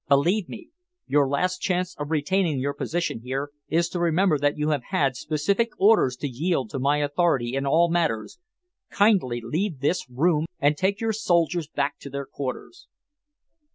Believe me, your last chance of retaining your position here is to remember that you have had specific orders to yield to my authority in all matters. Kindly leave this room and take your soldiers back to their quarters."